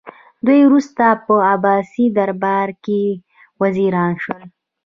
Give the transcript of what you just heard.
دوی وروسته په عباسي دربار کې وزیران شول